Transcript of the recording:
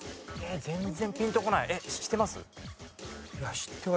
全然ピンとこない。